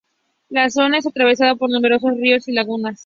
La zona es atravesada por numerosos ríos y lagunas.